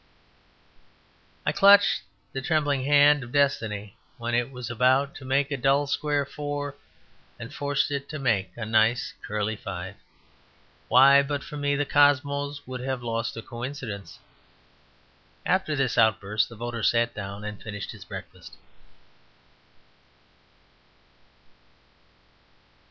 I clutched the trembling hand of Destiny when it was about to make a dull square four and forced it to make a nice curly five. Why, but for me the Cosmos would have lost a coincidence!" After this outburst the voter sat down and finished his breakfast.